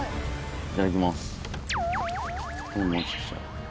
いただきます。